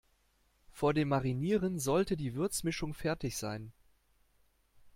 Vor dem Marinieren sollte die Würzmischung fertig sein.